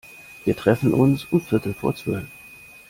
Wir treffen uns um viertel vor zwölf.